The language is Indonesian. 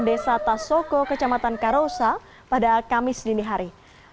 desa tasoko kecamatan karosa pada kamis dini hari